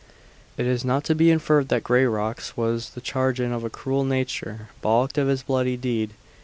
It is not to be inferred that Grayrock's was the chagrin of a cruel nature balked of its bloody deed.